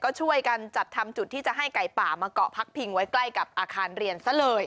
ก็ช่วยกันจัดทำจุดที่จะให้ไก่ป่ามาเกาะพักพิงไว้ใกล้กับอาคารเรียนซะเลย